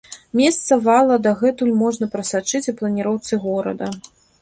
Месца вала дагэтуль можна прасачыць у планіроўцы горада.